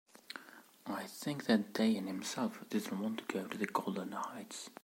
I think that Dayan himself didn't want to go to the Golan Heights.